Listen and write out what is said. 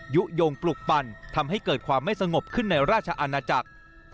ยุโยงปลุกปั่นทำให้เกิดความไม่สงบขึ้นในราชอาณาจักร